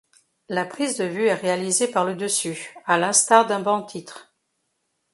La prise de vue est réalisée par le dessus, à l'instar d'un banc-titre.